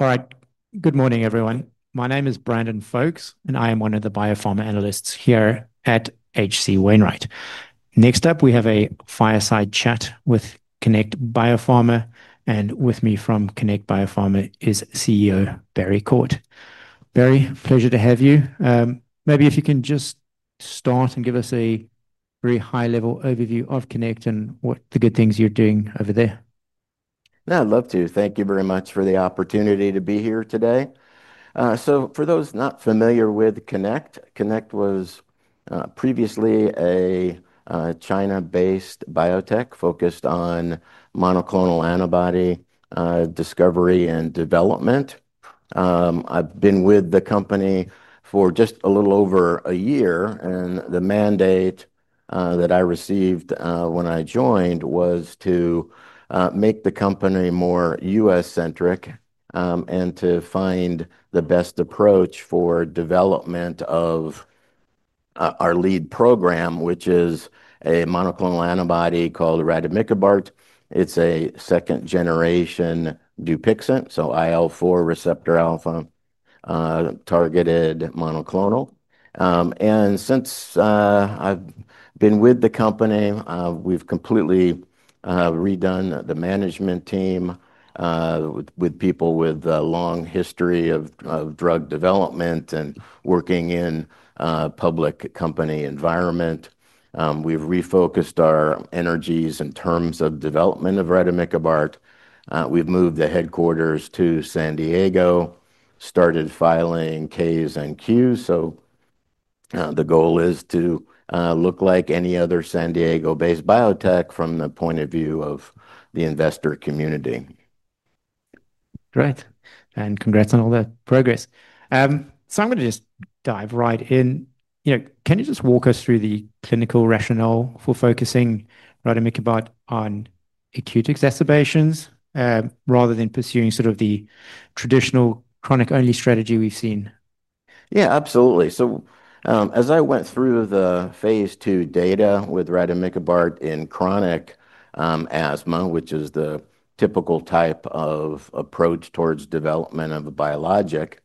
Alright, good morning everyone. My name is Brandon Foulks, and I am one of the biopharma analysts here at HC Wainwright. Next up, we have a fireside chat with Connect Biopharma, and with me from Connect Biopharma is CEO Barry Quart. Barry, pleasure to have you. Maybe if you can just start and give us a very high-level overview of Connect and what the good things you're doing over there. Yeah, I'd love to. Thank you very much for the opportunity to be here today. For those not familiar with Connect, Connect was previously a China-based biotech focused on monoclonal antibody discovery and development. I've been with the company for just a little over a year, and the mandate that I received when I joined was to make the company more U.S.-centric and to find the best approach for development of our lead program, which is a monoclonal antibody called rademikibart. It's a second-generation Dupixent, so IL-4 receptor alpha targeted monoclonal. Since I've been with the company, we've completely redone the management team with people with a long history of drug development and working in public company operations. We've refocused our energies in terms of development of rademikibart. We've moved the headquarters to San Diego, started filing Ks and Qs, so the goal is to look like any other San Diego-based biotech from the point of view of the investor community. Great, and congrats on all that progress. I'm going to just dive right in. You know, can you just walk us through the clinical rationale for focusing rademikibart on acute exacerbations, rather than pursuing sort of the traditional chronic-only strategy we've seen? Yeah, absolutely. As I went through the phase 2 data with rademikibart in chronic asthma, which is the typical type of approach towards development of a biologic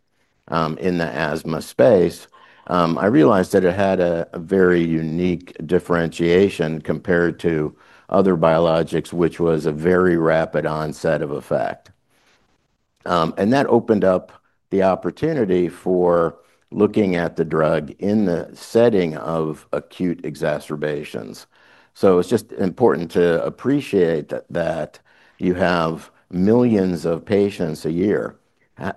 in the asthma space, I realized that it had a very unique differentiation compared to other biologics, which was a very rapid onset of effect. That opened up the opportunity for looking at the drug in the setting of acute exacerbations. It's just important to appreciate that you have millions of patients a year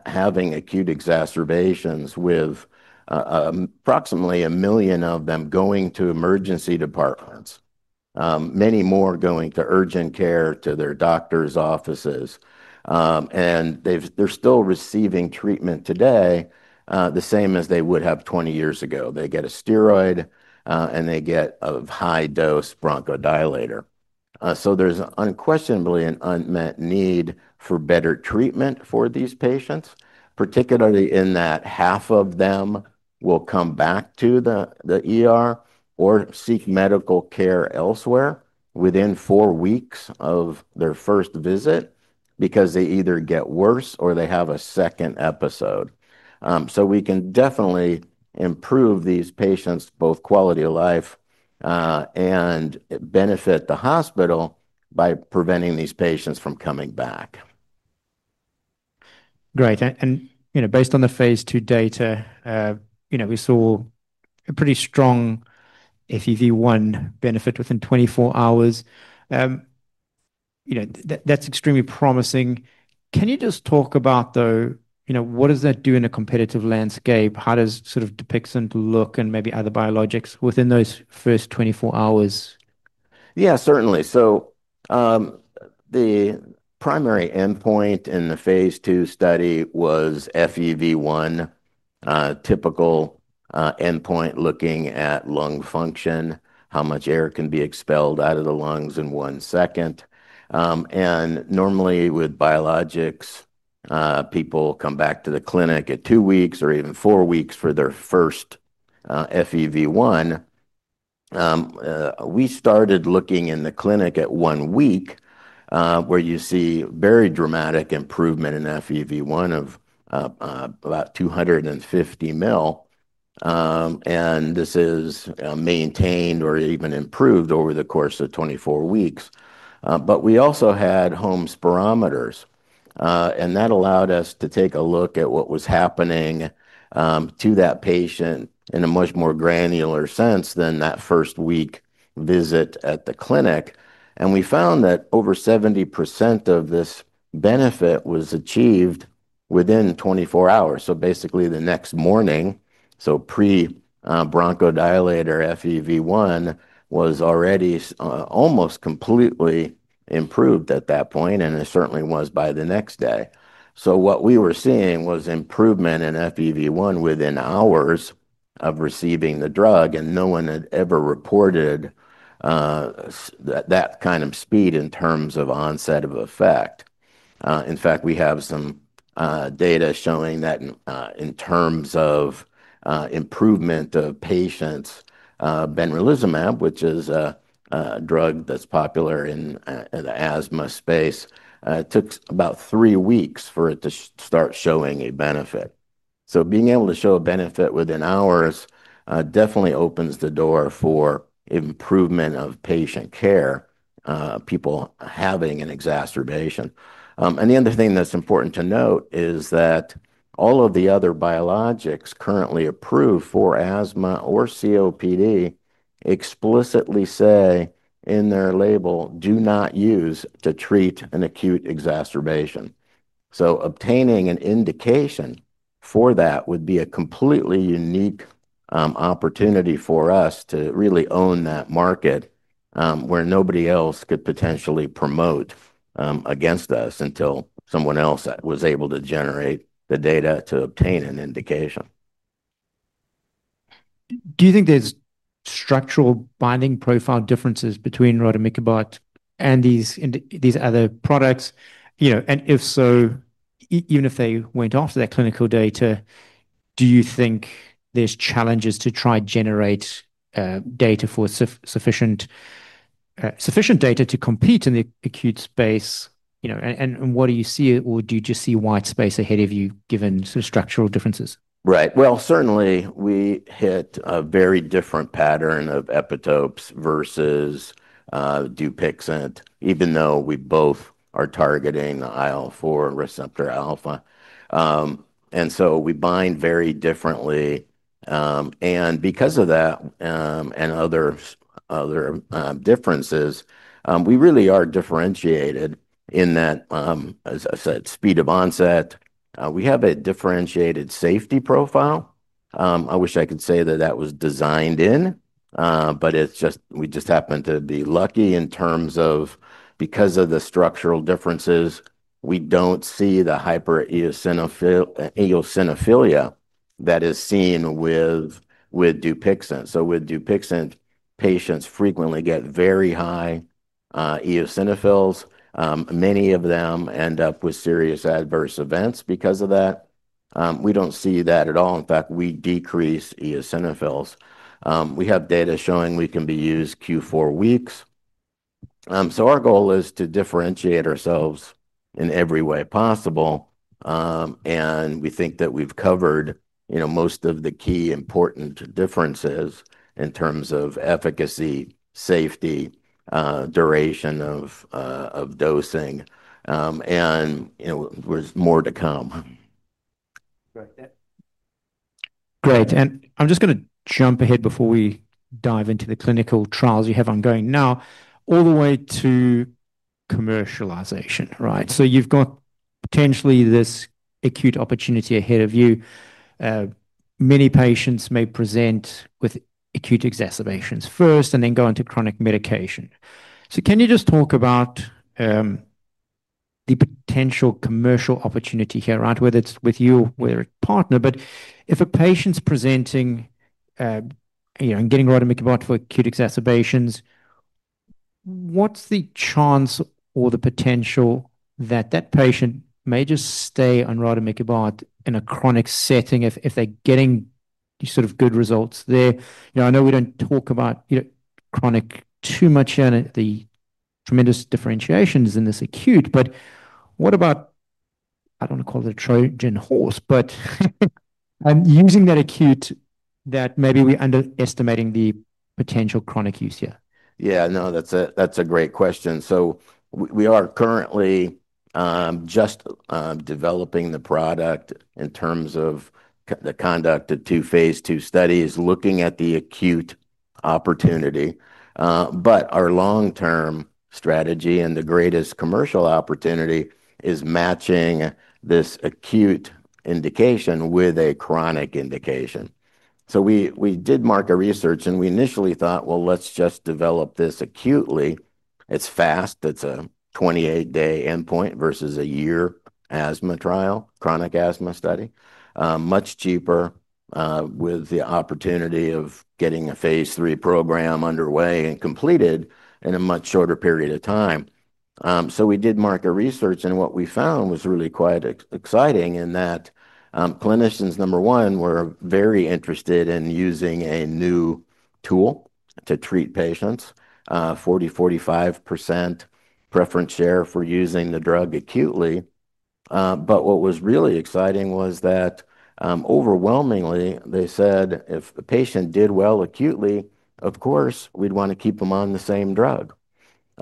having acute exacerbations, with approximately a million of them going to emergency departments, many more going to urgent care to their doctor's offices, and they're still receiving treatment today the same as they would have 20 years ago. They get a steroid, and they get a high-dose bronchodilator. There's unquestionably an unmet need for better treatment for these patients, particularly in that half of them will come back to the or seek medical care elsewhere within four weeks of their first visit because they either get worse or they have a second episode. We can definitely improve these patients' both quality of life and benefit the hospital by preventing these patients from coming back. Great, and based on the phase 2 data, we saw a pretty strong FEV1 benefit within 24 hours. That's extremely promising. Can you talk about what that does in a competitive landscape? How does Dupixent look and maybe other biologics within those first 24 hours? Yeah, certainly. The primary endpoint in the phase 2 study was FEV1, a typical endpoint looking at lung function, how much air can be expelled out of the lungs in one second. Normally with biologics, people come back to the clinic at two weeks or even four weeks for their first FEV1. We started looking in the clinic at one week, where you see very dramatic improvement in FEV1 of about 250 mL, and this is maintained or even improved over the course of 24 weeks. We also had home spirometers, and that allowed us to take a look at what was happening to that patient in a much more granular sense than that first week visit at the clinic. We found that over 70% of this benefit was achieved within 24 hours, basically the next morning, so pre-bronchodilator FEV1 was already almost completely improved at that point, and it certainly was by the next day. What we were seeing was improvement in FEV1 within hours of receiving the drug, and no one had ever reported that kind of speed in terms of onset of effect. In fact, we have some data showing that, in terms of improvement of patients, benzimab, which is a drug that's popular in the asthma space, took about three weeks for it to start showing a benefit. Being able to show a benefit within hours definitely opens the door for improvement of patient care, people having an exacerbation. The other thing that's important to note is that all of the other biologics currently approved for asthma or COPD explicitly say in their label, do not use to treat an acute exacerbation. Obtaining an indication for that would be a completely unique opportunity for us to really own that market, where nobody else could potentially promote against us until someone else was able to generate the data to obtain an indication. Do you think there's structural binding profile differences between rademikibart and these other products? If so, even if they went after that clinical data, do you think there's challenges to try to generate data, sufficient data to compete in the acute space? What do you see, or do you just see white space ahead of you given some structural differences? Right. Certainly, we hit a very different pattern of epitopes versus Dupixent, even though we both are targeting the IL-4 receptor alpha, and so we bind very differently. Because of that and other differences, we really are differentiated in that, as I said, speed of onset. We have a differentiated safety profile. I wish I could say that that was designed in, but we just happen to be lucky in terms of, because of the structural differences, we do not see the hyper-eosinophilia that is seen with Dupixent. With Dupixent, patients frequently get very high eosinophils. Many of them end up with serious adverse events because of that. We do not see that at all. In fact, we decrease eosinophils. We have data showing we can be used q4 weeks. Our goal is to differentiate ourselves in every way possible, and we think that we have covered most of the key important differences in terms of efficacy, safety, duration of dosing, and there is more to come. Great. I'm just going to jump ahead before we dive into the clinical trials you have ongoing now, all the way to commercialization, right? You've got potentially this acute opportunity ahead of you. Many patients may present with acute exacerbations first and then go into chronic medication. Can you just talk about the potential commercial opportunity here, right? Whether it's with you or your partner, if a patient's presenting and getting rademikibart for acute exacerbations, what's the chance or the potential that that patient may just stay on rademikibart in a chronic setting if they're getting sort of good results there? I know we don't talk about chronic too much and the tremendous differentiations in this acute, but what about, I don't want to call it a Trojan horse, but using that acute that maybe we're underestimating the potential chronic use here? Yeah, no, that's a great question. We are currently developing the product in terms of the conducted two phase 2 studies looking at the acute opportunity. Our long-term strategy and the greatest commercial opportunity is matching this acute indication with a chronic indication. We did market research and we initially thought, let's just develop this acutely. It's fast. It's a 28-day endpoint versus a year asthma trial, chronic asthma study. Much cheaper, with the opportunity of getting a phase 3 program underway and completed in a much shorter period of time. We did market research and what we found was really quite exciting in that clinicians, number one, were very interested in using a new tool to treat patients, 40-45% preference share for using the drug acutely. What was really exciting was that, overwhelmingly, they said if the patient did well acutely, of course, we'd want to keep them on the same drug.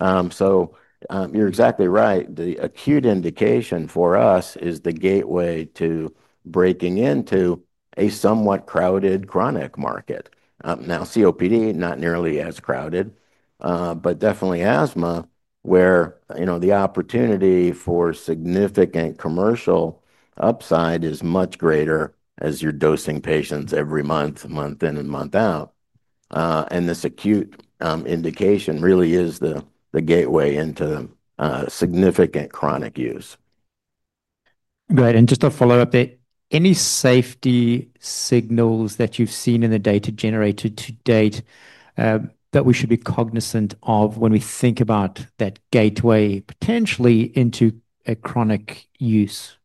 You're exactly right. The acute indication for us is the gateway to breaking into a somewhat crowded chronic market. Now COPD, not nearly as crowded, but definitely asthma, where the opportunity for significant commercial upside is much greater as you're dosing patients every month, month in and month out. This acute indication really is the gateway into significant chronic use. Great. Just a follow-up there, any safety signals that you've seen in the data generated to date that we should be cognizant of when we think about that gateway potentially into a chronic use?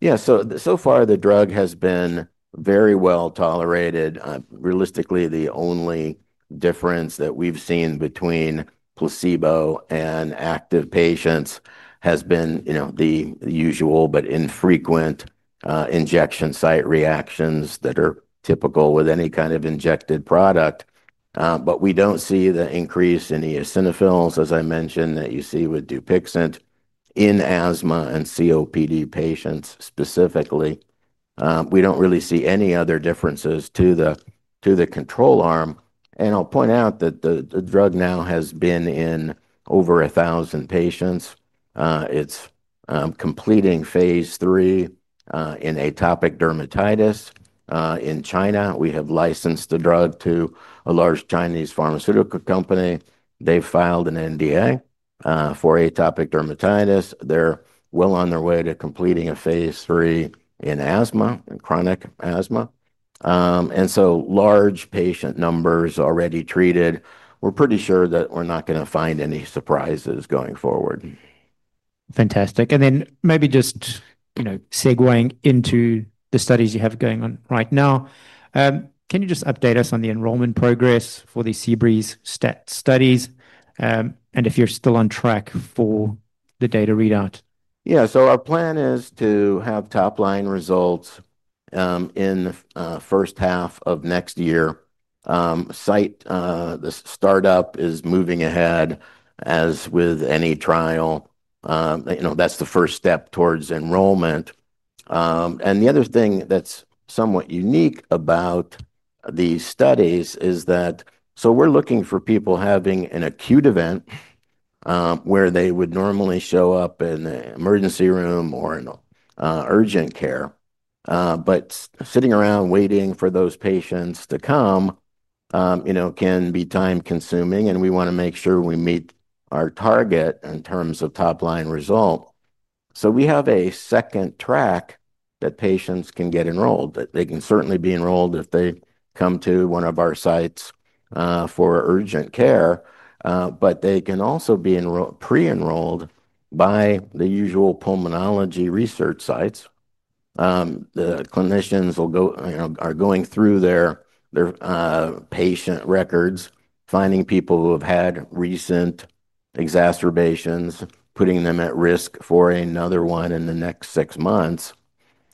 Yeah, so far the drug has been very well tolerated. Realistically, the only difference that we've seen between placebo and active patients has been the usual but infrequent injection site reactions that are typical with any kind of injected product. We don't see the increase in eosinophils, as I mentioned, that you see with Dupixent in asthma and COPD patients specifically. We don't really see any other differences to the control arm. I'll point out that the drug now has been in over a thousand patients. It's completing phase 3 in atopic dermatitis. In China, we have licensed the drug to a large Chinese pharmaceutical company. They've filed an NDA for atopic dermatitis. They're well on their way to completing a phase 3 in asthma, in chronic asthma, and so large patient numbers already treated. We're pretty sure that we're not going to find any surprises going forward. Fantastic. Maybe just, you know, segueing into the studies you have going on right now, can you just update us on the enrollment progress for the CBRE-STAT studies, and if you're still on track for the data readout? Yeah, so our plan is to have top-line results in the first half of next year. The site startup is moving ahead as with any trial. That's the first step towards enrollment. The other thing that's somewhat unique about these studies is that we're looking for people having an acute event, where they would normally show up in the emergency room or in urgent care. Sitting around waiting for those patients to come can be time-consuming, and we want to make sure we meet our target in terms of top-line result. We have a second track that patients can get enrolled. They can certainly be enrolled if they come to one of our sites for urgent care, but they can also be pre-enrolled by the usual pulmonology research sites. The clinicians are going through their patient records, finding people who have had recent exacerbations, putting them at risk for another one in the next six months,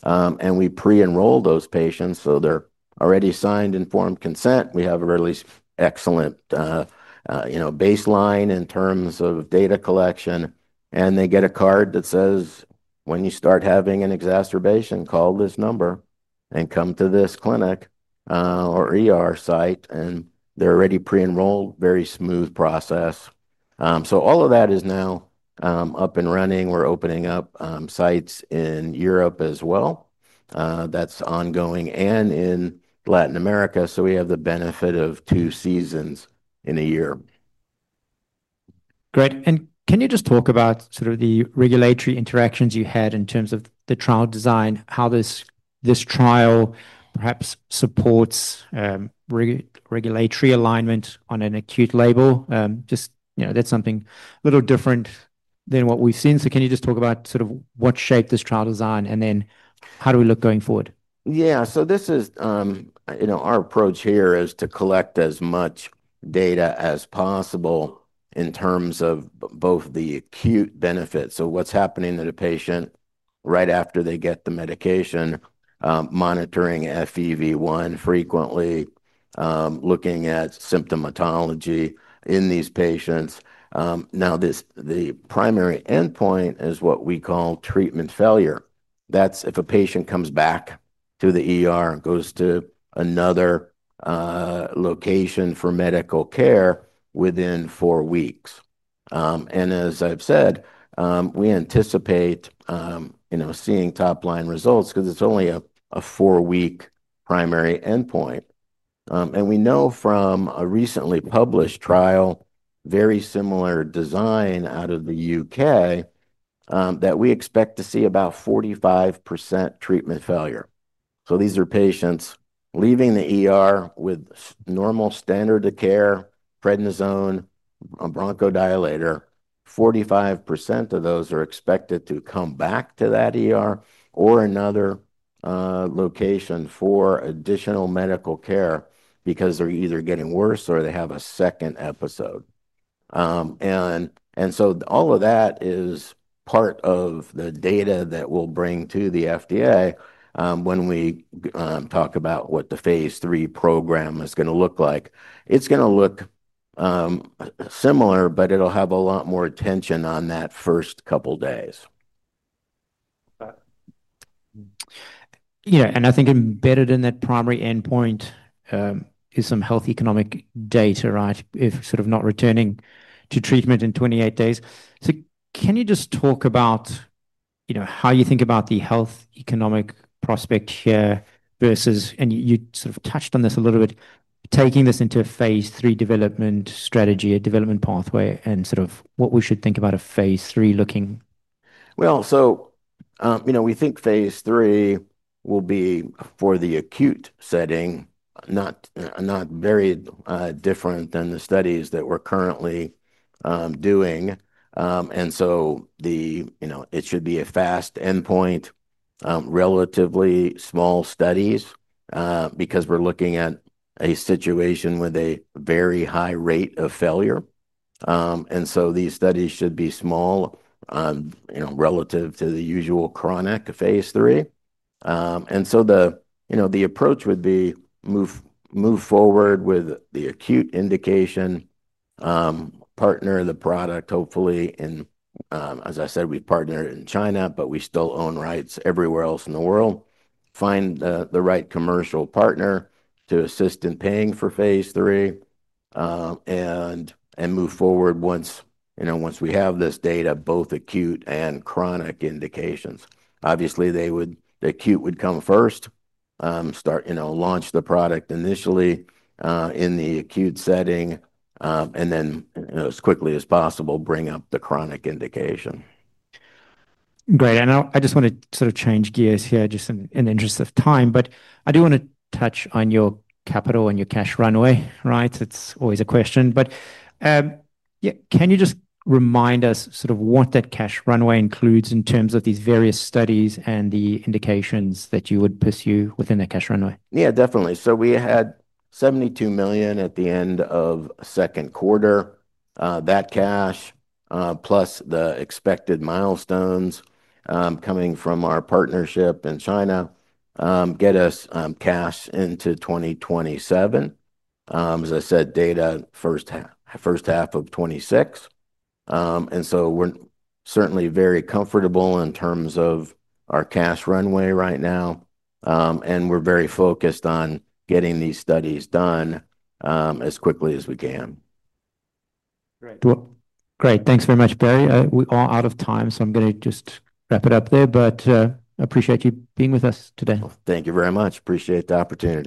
and we pre-enroll those patients so they're already signed informed consent. We have a really excellent baseline in terms of data collection, and they get a card that says, when you start having an exacerbation, call this number and come to this clinic or site, and they're already pre-enrolled. Very smooth process. All of that is now up and running. We're opening up sites in Europe as well. That's ongoing and in Latin America, so we have the benefit of two seasons in a year. Great. Can you just talk about the regulatory interactions you had in terms of the trial design, how this trial perhaps supports regulatory alignment on an acute label? That's something a little different than what we've seen. Can you just talk about what shaped this trial design and then how do we look going forward? Yeah, so this is, you know, our approach here is to collect as much data as possible in terms of both the acute benefits. What's happening to the patient right after they get the medication, monitoring FEV1 frequently, looking at symptomatology in these patients. Now, the primary endpoint is what we call treatment failure. That's if a patient comes back and goes to another location for medical care within four weeks. As I've said, we anticipate seeing top-line results because it's only a four-week primary endpoint. We know from a recently published trial, very similar design out of the UK, that we expect to see about 45% treatment failure. These are patients leaving with normal standard of care, prednisone, a bronchodilator. 45% of those are expected to come back to that or another location for additional medical care because they're either getting worse or they have a second episode. All of that is part of the data that we'll bring to the FDA when we talk about what the phase 3 program is going to look like. It's going to look similar, but it'll have a lot more attention on that first couple of days. Yeah, I think embedded in that primary endpoint is some health economic data, right? If sort of not returning to treatment in 28 days, can you just talk about how you think about the health economic prospect here versus, and you sort of touched on this a little bit, taking this into a phase 3 development strategy, a development pathway, and what we should think about a phase 3 looking? We think phase 3 will be for the acute setting, not very different than the studies that we're currently doing. It should be a fast endpoint, relatively small studies, because we're looking at a situation with a very high rate of failure. These studies should be small, relative to the usual chronic phase 3. The approach would be move forward with the acute indication, partner the product, hopefully, and, as I said, we partner in China, but we still own rights everywhere else in the world, find the right commercial partner to assist in paying for phase 3, and move forward once we have this data, both acute and chronic indications. Obviously, the acute would come first, start, launch the product initially in the acute setting, and then, as quickly as possible, bring up the chronic indication. Great. I just want to sort of change gears here in the interest of time, but I do want to touch on your capital and your cash runway, right? It's always a question. Can you just remind us sort of what that cash runway includes in terms of these various studies and the indications that you would pursue within the cash runway? Yeah, definitely. We had $72 million at the end of the second quarter. That cash, plus the expected milestones coming from our partnership in China, gets us cash into 2027. As I said, data first half of 2026, and we're certainly very comfortable in terms of our cash runway right now. We're very focused on getting these studies done as quickly as we can. Great. Thanks very much, Barry. We're all out of time, so I'm going to just wrap it up there, but I appreciate you being with us today. Thank you very much. Appreciate the opportunity.